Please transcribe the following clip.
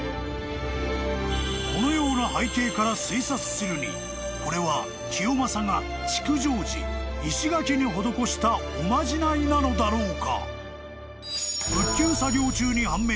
［このような背景から推察するにこれは清正が築城時石垣に施したおまじないなのだろうか？］